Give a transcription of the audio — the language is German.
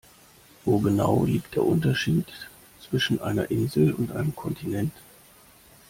Wo genau liegt der Unterschied zwischen einer Insel und einem Kontinent?